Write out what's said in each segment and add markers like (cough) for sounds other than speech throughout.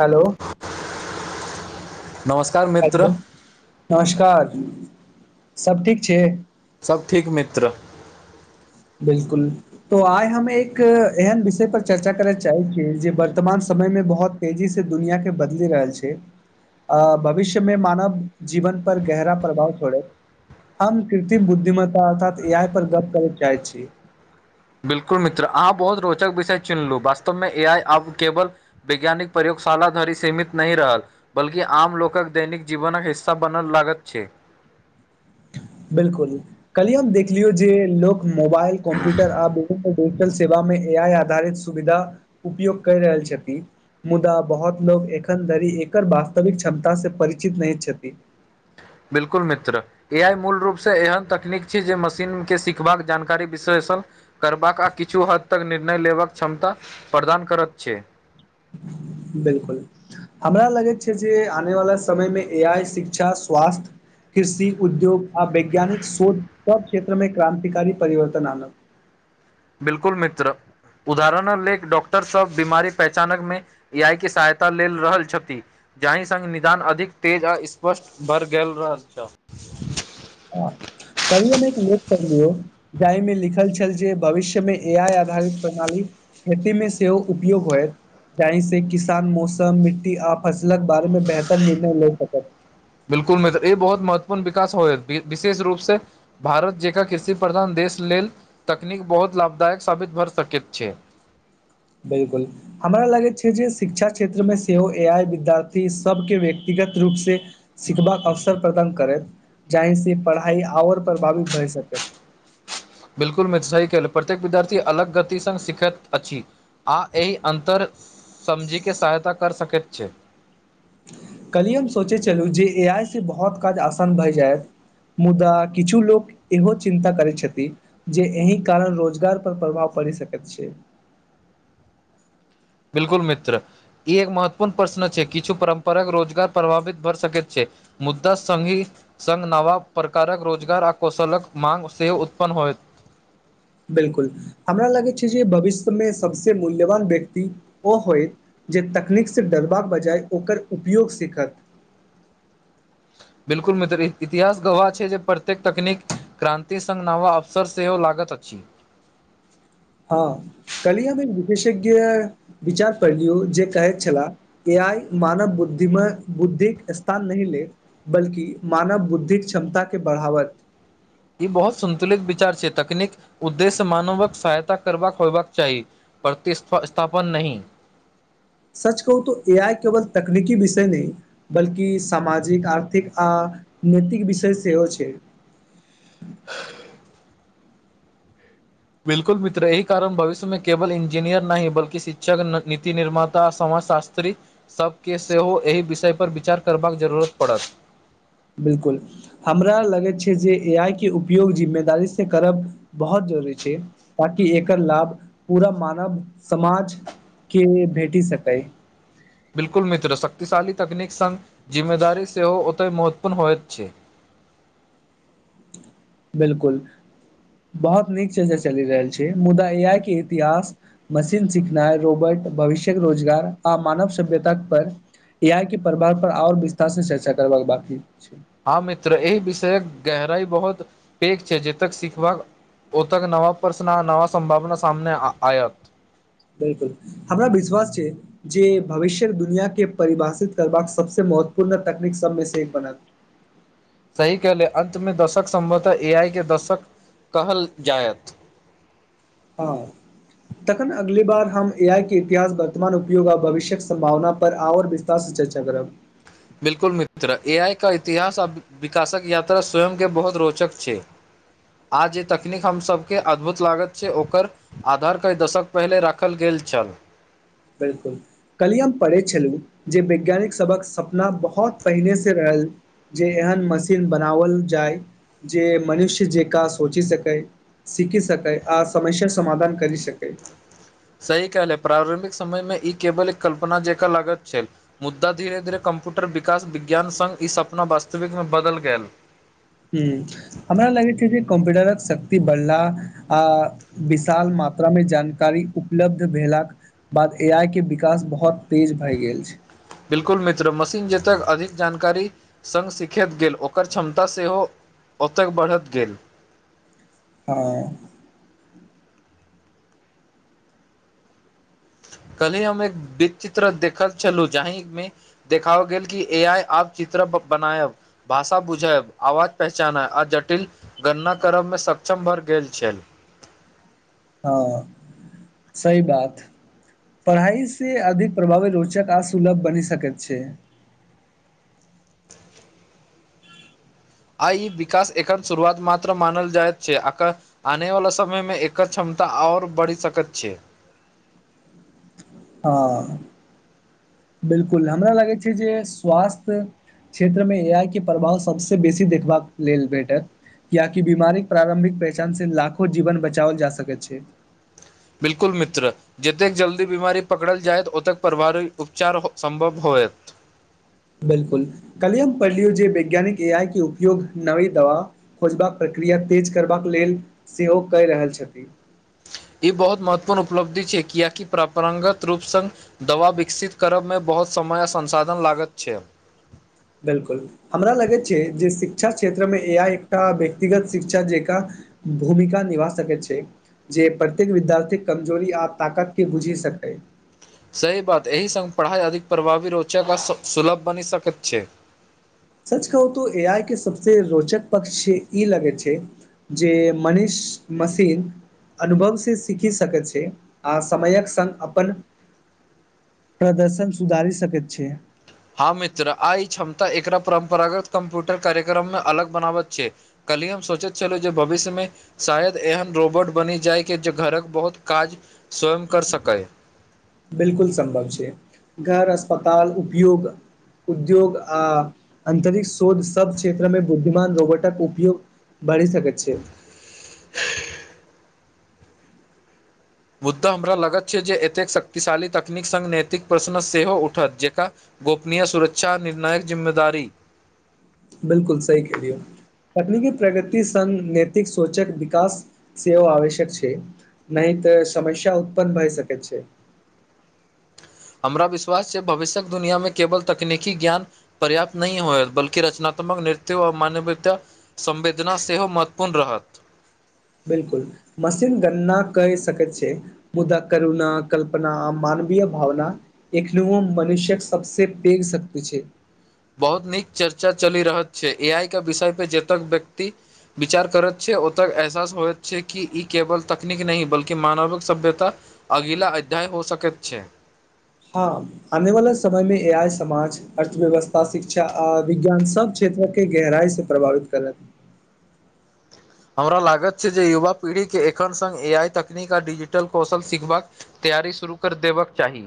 hello नमस्कार मित्र hello नमस्कार सब ठीक छै सब ठीक मित्र बिल्कुल तो आइ हम एक एहन विषय पर चर्चा करय चाहै छी जे वर्तमान समय मऽ बहुत तेजी सँ दुनिआके बदलि रहल छै आ भविष्य मे मानव जीवन पर गहरा प्रभाव पड़त हम कृत्रिम बुद्धिम्ता अर्थात ए आइ पर गप करत चाहै छी बिल्कुल मित्र अहाँ बहुत रोचक विषय चुनलू वास्तवमे ए आइ आब केवल वैज्ञानिक प्रयोगशाला धरि सीमित नहि रहल बल्कि आम लोकक दैनिक जीवनक हिस्सा बनल लागत छै बिल्कुल कल्हि हम देखलियौ जे लोक मोबाइल कम्प्यूटर आ बहुत पोस्टल सेवा मे ए आइ आधारित सुविधा उपयोग कर रहल छथिन मुदा बहुत लोकोग एखन धरि एकर वास्तविक क्षमता से परिचित नहि छथि बिलकुल मित्र ए आइ मूल रूपसँ एहन तकनीक छै जे मशीन के सिखबाक जानकारी विशेषण करबाक आ किछु हद तक निर्णय लेबाक क्षमता प्रदान करैत छै बिलकुल हमरा लगैत छै जे आनेवाला समयमे ए आइ शिक्षा स्वास्थ्य कृषि उद्योग आ वैज्ञानिक शोध सब क्षेत्र मे क्रानंतिकारी परिवर्तन आनत बिल्कुल मित्र उदाहरण लेक डॉक्टर सब बीमारी पहचानक मे ए आइ के सहायता ले रहल छथि जाहि सङ्ग निदान अधिक तेज आ स्पष्ट बढ़ गेल रहल छल कल्हि हम एक लेख पढ़लियौ जाहिमे लिखल छल जे भविष्य मे ए आइ आधारित प्रणाली खेती मे सेहो उपयोग होय जाहि से किसान मौसम मिट्टी आ फसलक बारे में बेहतर निर्णय ले सकत बिल्कुल मित्र ई बहुत महत्वपूर्ण विकास होयत विशेष रूप से भारत जकरा कृषि प्रधान देश लेल तकनीक बहुत लाभदायक साबित भऽ सकैत छै बिलकुल हमरा लागैत छै जे शिक्षा क्षेत्रमे सेहो ए आइ विद्यार्थी सबके व्यक्तिगत रूप से सिखबाक अवसर प्रदान करै जाहिसँ पढ़ाइ आओर प्रभावित भए सकै बिल्कुल मित्र सही कहली प्रत्येक विद्यार्थी अलग गतिसँ सीखैत अछि आ एहि अन्तर समझीके सहायता कर सकैत छै कल्हि हम सोचैत छलू जे ए आइ से बहुत काज आसान भए जायत मुदा किछु लोक इहो चिन्ता करैत छथि जे अही कारण रोजगार पर प्रभाव पड़ी सकैत छै बिल्कुल मित्र ई एक महत्वपूर्ण प्रश्न छै किछु परम्पराक रोजगार प्रभावित भर सकैत छै मुद्दा संघी संग नवा प्रकारक रोजगार आ कौशलक माँग सेहो उत्पन्न होयत बिल्कुल हमरा लगैत छै जे भविष्यमे सबसे मूल्यवान व्यक्ति ओ होइत जे तकनीकसँ डरबाक बजाय ओकर उपयोग सीखत बिलकुल मित्र इतिहास गवाह छै जे प्रत्येक तकनीक क्रान्ति संघ नव अवसर सेहो लागत अछि हँ कल्हि हमे एक विशेषज्ञ विचार पढ़लियौ जे कहैत छलाह ए आइ मानव बुद्धिम बुद्धिक स्थान नहि ले बल्कि मानव बुद्धिक क्षमता के बढ़ावत ई बहुत संन्तुलित विचार छै तकनीक उद्देश्य मानवक सहायता करबाक होयबाक चाही प्रतिस्स्थापन नहि सच कहू तऽ ए आइ केवल तकनीकी विषय नहि बल्कि सामाजिक आर्थिक आ नैतिक विषय सेहो छै ह (inaudible) बिल्कुल मित्र एहि कारण भविष्य मे केवल इंजीनियर नहि बल्कि शिक्षक नीति निर्मात ता समाजशास्त्री सभके सेहो एहि विषय पर विचार करबाक जरूरत पड़त बिलकुल हमरा लगैत छै जे ए आइ के उपयोग जिम्मेदारीसे करब बहुत जरूरी छै ताकि एकर लाभ पूरा मानव समाज के भेटी सकै बिल्कुल मित्र शक्तिशाली तकनीक संग जिम्मेदारी सेहो ओतहि महत्वपूर्ण होइत छै बिल्कुल बहुत नीक छै जे चलि रहल छै मुदा ए आइ के इतिहास मशीन सिखनाइ रोबोट भविष्य्यक रोजगार आ मानव सभ्यता पर ए आइ के प्रभाव पर आओर विस्तार से चर्चा करबाक बाकी छै हँ मित्र एहि विषय गहराई बहुत पैघ छै जब तक सिखबाक ओ तक नवा प्रशन नवा संभावना सामने आयत बिलकुल हमरा विश्वास छै जे भविष्य दुनियाँ के परिभाषित करबाक सबस महत्वपूर्ण तकनीक सबमे से एक बनत सही कहले अंत मे दशक सम्भवतः ए आई के दशक कहल जायत हँ तखन अगली बार हम ए आई के इतिहास वर्तमान उपयोग आ भविष्यक संभावना पर आओर विस्तार तारसँ चर्चा करब बिलकुल मित्र ए आई का इतिहास आ विकासक यात्रा स्वयं के बहुत रोचक छै आ जे तकनीक हमसभके अद्भुत लागैत छै ओकर आधार कइ दशक पहिनेे राखल गेल छल बिलकुल कल्हि हम पढ़ै छलहुँ जे वैज्ञानिक सभक सपना बहुत पहिने से रहल जे एहन मशीन बनावल जाय जे मनुष्य जेका सोचि सकै सीखी सकै आ समस्या समाधान कर सकै सही कहल है प्रारम्भिक समय मे ई केवल एक कल्पना जकाँ लागत छल मुद्दा धीरे धीरे कम्प्यूटर विकास विज्ञान संग ई सपना वास्तविकमे बदल गेल हूंम्म हमरा लगैत छै जे कम्प्यूटरक शक्ति बढ़ला आ विशाल मात्रामे जानकारी उपलब्ध भेलाक बाद ए आइ के विकास बहुत तेज भए गेल छै बिलकुल मित्र मशीन जेतक अधिक जानकारी संग सीखैत गेल ओकर क्षमता सेहो ओतय बढ़त गेल हँ कली हम एक बीचित्र देखल छलु जही मे देखाओल गेल कि ए आइ आब चित्र बनायब भाषा बुझै आवाज पहचान ह आ जटिल गणना करब मे सक्षम भर गेल छल हँ सही बात पढ़ाइ से अधिक प्रभावित रोचक आ सुलभ बनि सकत छै आ ई विकास एखन शुरुआत मात्र मानल जाइत छै आक आनेवला समयमे एकर क्षमता आओर बढ़ि सकैत छै हँ बिलकुल हमरा लागै छै जे स्वास्थ क्षेत्रमे इएह कि प्रभाव सभसँ बेसी देखबाक लेल भेटत किआकि बीमारीक प्रारम्भिक पहचान से लाखो जीवन बचाओल जा सकैत छै बिल्कुल मित्र जतेक जल्दी बीमारी पकड़ल जायत ओतेक प्रभाव उपचार हो सम्भव होयत बिल्कुल कल्हि हम पढ़लियौ जे वैज्ञानिक ए आई के उपयोग नवी दवा खोजबाक प्रक्रिया तेज करबाक लेल सेहो कहि रहल छथि ई बहुत महत्वपूर्ण उपलब्धि छै किआाकि परम्परागत रूप संग दवा विकसित करब मे बहुत समय आ संसाधन लागत छै बिल्कुल हमरा लगैत छै जे शिक्षा क्षेत्रमे इएह एकटा व्यक्तिगत शिक्षा जकाँ भूमिका निभा सके छै जे प्रत्येक विद्यार्थी के कमजोरी आओर ताकत के बुझि सकते सही बात एहि सङ्ग पढ़ाइ अधिक प्रभावी रोचक आ सुलभ बनि सकैत छै सच कहू तो ए आइ के सबस रोचक पक्ष ई लगै छै जे मनीष मशीन अनुभव से सीखि सकैत छै आ समयक संग अपन प्रदर्शन सुधारी सकैत छै हँ मित्र आ ई क्षमता एकरा परम्परागत कम्प्यूटर कार्यक्रम में अलग बनावत छै कल्हिी हम सोचैत छलहुँ जे भविष्य मे शायद एहन रोबोट बनी जाइ कि जे घरक बहुत काज स्वयं कर सकै बिलकुल सं्भव छै घर अस्पताल उपयोग उद्योग आ अन्तरिक शोध सब क्षेत्रमे बुद्धिमान रोबोटक उपयोग बढ़ि सकैत छै (inaudible) मुद्दा हमरा लगत छै जे एतेक शक्तिशाली तकनीक सङ्ग नैतिक प्रश्न सेहो उठत जेक गोपनीय सुरक्षा निर्णायक जिम्मेदारी बिलकुल सही कहलियौ तकनीकी प्रगति संग नैतिक सोचक विकास सेहो आवश्यक छै नहि तऽ समस्या उत्पन्न भए सकैत छै हमरा विश्वास छै भविष्य्यक दुनिआमे केवल तकनीकी ज्ञान पर्याप्त नहि होय बल्ि रचनात्मक नृत्य आ मानवता संवेदना सेहो महत्वपूर्ण रहत बिल्कुल मशीन गणना कए सकैत छै मुदा करुण कल्पना मानवीय भावना एखनोहो मनुष्य्यक सबस पेघ शक्त छै बहुत नीक चर्चा चलि रहल छै ए आइ के विषय पे जतेक व्यक्ति विचार करैत छै ओतऽ एहसास होइत छै कि ई केवल तकनीक नहि बल्कि मानविक सभ्यता अगिला अध्याय हो सकैत छै हँ आने वाला समय मे ए आइ समाज अर्थव्यवस्था शिक्षा आ विज्ञान सब क्षेत्र के गहराई से प्रभावित करत हमरा लागत छै जे युवा पीढ़ी के एखन सङ्ग ए आई तकनीक आ डिजिटल कौशल सिखबाक तैयारी शुरू कर देबक चाही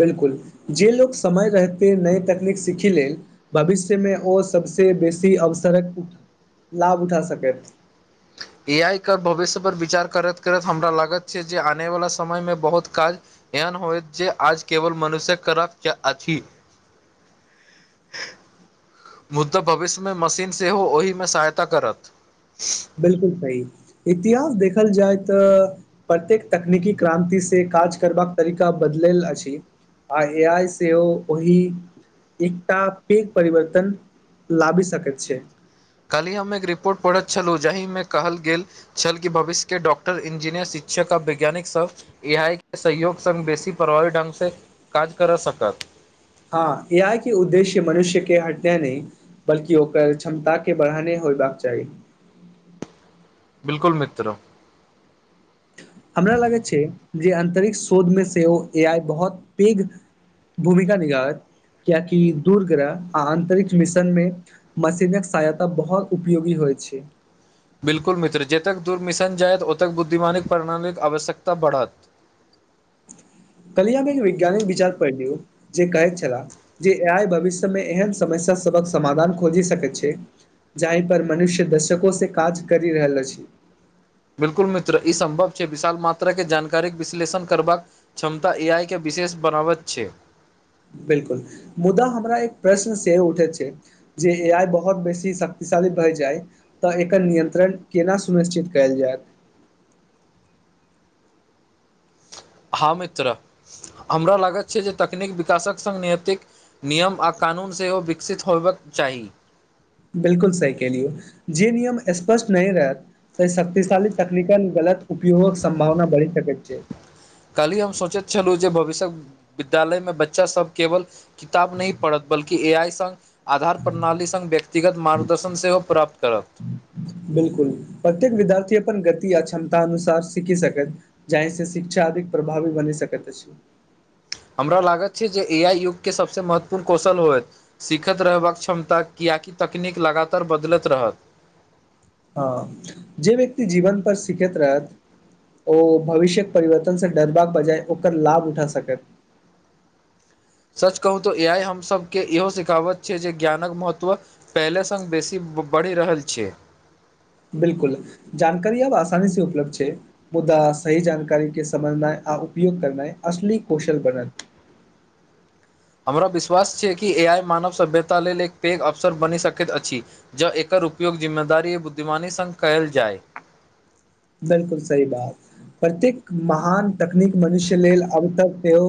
बिलकुल जे लोक समय रहिते नय तकनीक सीखी लेल भविष्यमे ओ सबसे बेसी अवसरक लाभ उठा सकैत ए आइ के भविष्य पर विचार करैत करैत हमरा लागैत छै जे आनवला समयमे बहुत काज एहन होय जे आज केवल मनुष्य करब अछि (inaudible) मुद्दा भविष्यमे मशीन सेहो ओहिमे सहायता करत बिलकुल सही इतिहास देखल जाय तऽ प्रत्येक तकनीकी क्रान्ति से काज करबाक तरीका बदलल अछि आ ए आइ सेहो ओहि एकटा पैघ परिवर्तन लाबि सकैत छै काल्हि हम एक रिपोर्ट पढ़ैत छलहुँ जाहिमे कहल गेल छलल कि भविष्यके डॉक्टर इंजीनियर शिक्षक आ वैज्ञानिक सभ ए आइ के सहयोग सङ्ग बेसी प्रभावी ढङ्गसँ काज करऽ सकत हँ ए आइ के उद्देश्य मनुष्य के हटय नहि बल्कि ओकर क्षमता के बढ़ाने होयबाक चाही बिलकुल मित्र हमरा लागैत छै जे अंतरिक्ष शोध मे से ओ ए आइ बहुत पैघ भूमिका निगाहत किये कि दूर ग्रह आन्तरिक्ष मिशनमे मशीनक सहायता बहुत उपयोगी होइ छै बिल्कुल मित्र जतक दूर्मिशन जायत ओतेक बुद्धिमानिक प्रणालीक आवश्यकता बढ़त कल्हि हम एक वैज्ञानिक विचार पढ़लियौ जे कहैत छलाह जे आइ भविष्य मे एहन समस्या सबक समाधान खोजि सकैत छै जाहि पर मनुष्य दशको से काज करि रहल अछि बिल्कुल मित्र ई सम्भव छै विशाल मात्राके जानकारीके विश्लेषण करबाक क्षमता ए आइ के विशेष बनावत छै बिलकुल मुदा हमरा एक प्रश्न सेहो उठैत छै जे ए आइ बहुत बेसी शक्तिशाली भय जाय तऽ एकर नियन्त्रण केना सुनिश्चित कयल जाय हाँ मित्रा हमरा लागैत छै जे तकनीक विकासक सङ्ग नियतिक नियम आ कानून सेहो विकसित होयबाक चाही बिलकुल सही केलियौ जे नियम स्पष्ट नहि रहत तऽ शक्तशाली टेक्निकल गलत उपयोगक संभावना बढ़ि सकैत छै कल्हि हम सोचैत छलहुँ जे भविष्य्यक विद्यालय मे बच्चा सब केवल किताब नही पढ़त बल्कि ए आइ सङ्ग आधार प्रणाली सङ्ग व्यक्तिगत मार्गदर्शन सेहो प्राप्त करत बिलकुल प्रत्येक विद्यार्थी अपन गति आ क्षमता अनुसार सीखी सकत जाहिसँ शिक्षा अधिक प्रभावी बनि सकैत अछि हमरा लागत छै जे ए आइ युग के सबसे महत्वपूर्ण कौशल होयत सीखैत रहबाक क्षमता किएकि तकनीक लगातार बदलैत रहत हँ जे व्यक्ति जीवन पर सिखैत रहत ओ भविष्यक परिवर्तनसँ डरबाक बजाय ओकर लाभ उठा सकत सच कहू तऽ ए आइ हमसभके इहो सिखावैत छै जे ज्ञानक महत्व पहिले सङ्ग बेसी बढ़ि रहल छै बिलकुल जानकारी आब आसानी से उपलब्ध छै मुद्दा सही जानकारी के समझनाइ आ उपयोग करना असली कौशल बनत हमरा विश्वास छै कि ए आइ मानव सभ्यता लेल एक पैघ अवसर बनि सकैत अछि जँ एकर उपयोग जिम्मेदारी बुद्धिमानी संग कयल जाय बिलकुल सही बात प्रत्येक महान तकनीक मनुष्य लेल अब तक सेहो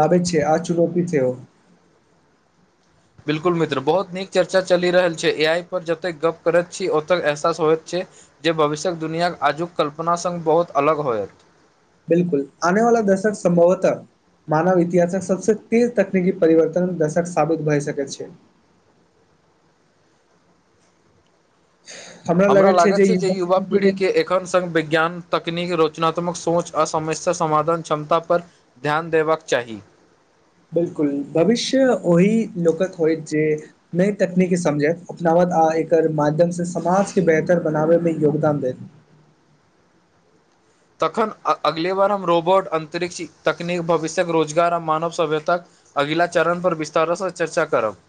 लाबै छै आ चुनौती सेहो बिल्कुल मित्र बहुत नीक चर्चा चलि रहल छै ए आई पर जतेक गप करैत छी ओतय एहसास होइत छै जे भविष्य्यक दुनियाक आजुक कल्पना सङ्ग बहुत अलग होयत बिलकुल आने वाला दशक सम्भवतः मानव इतिहासक सबस तेज तकनीकी परिवर्तन दर्शक साबित भए सकैत छै हमरा लगै छै जे (unintelligible) ख संघ विज्ञान तकनीक रचनात्मक सोच आ समस्या समाधान क्षमता पर ध्यान देबाक चाही बिलकुल भविष्य ओहिी लोकक होय जे नय तकनीकी समझथि अपनावत आ एकर माध्यमसँ समाजके बेहतर बनाबयमे योगदान दत तखन अगले बार हम रोबोट अन्तरिक्ष तकनीक भविष्यक रोजगार आर मानव सभ्यताक अगिला चरण पर विस्तारो सँ चर्चा करब